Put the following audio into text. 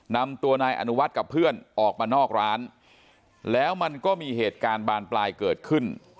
นำตัวนายอนุวัฒน์กับเพื่อนออกมานอกร้านแล้วมันก็มีเหตุการณ์บานปลายเกิดขึ้น